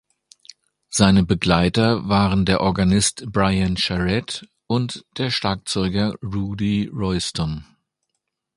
Seine Begleiter waren der Organist Brian Charette und der Schlagzeuger Rudy Royston.